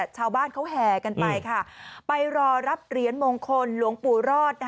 ชาวบ้านเขาแห่กันไปค่ะไปรอรับเหรียญมงคลหลวงปู่รอด